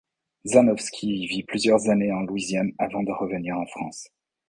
Chrzanowski vit plusieurs années en Louisiane avant de revenir en France.